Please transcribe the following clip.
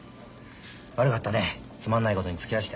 悪かったねつまんないことにつきあわせて。